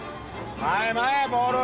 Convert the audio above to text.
前へ前へボール。